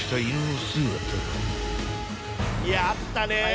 いやあったね。